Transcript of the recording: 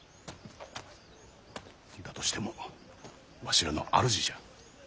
としてもわしらの主じゃ。